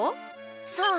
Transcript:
そう。